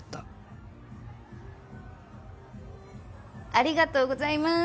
ありがとうございます。